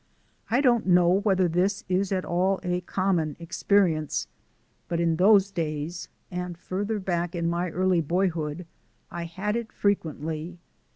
I don't know whether this is at all a common experience, but in those days (and farther back in my early boyhood) I had it frequently.